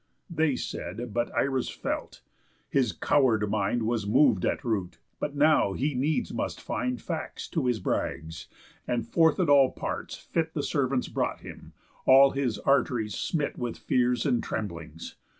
They said; but Irus felt. His coward mind Was mov'd at root. But now he needs must find Facts to his brags; and forth at all parts fit The servants brought him, all his art'ries smit With fears and tremblings.